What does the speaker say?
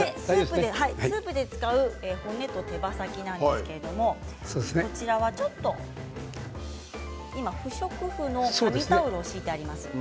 スープで使う骨と手羽先なんですけれどこちらはちょっと不織布の紙タオルを敷いてあります。